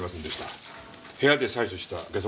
部屋で採取したゲソ痕です。